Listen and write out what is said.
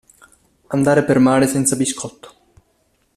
Andare per mare senza biscotto.